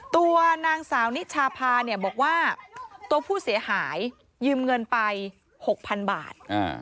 ตัวนางสาวนิชาพาเนี่ยบอกว่าตัวผู้เสียหายยืมเงินไป๖๐๐๐บาท